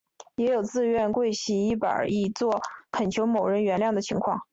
也有自愿跪洗衣板以作恳求某人原谅的情况。